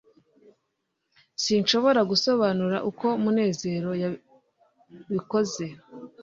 sinshobora gusobanura uko munezero yabikoze